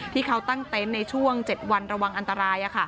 ที่เขาตั้งเต็นต์ในช่วง๗วันระวังอันตราย